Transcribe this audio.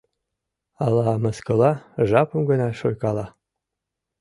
Ала мыскыла, жапым гына шуйкала?